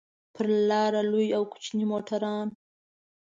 پر لاره لوی او کوچني موټران.